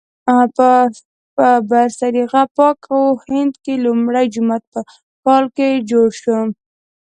په برصغیر پاک و هند کې لومړی جومات په کال کې جوړ شو.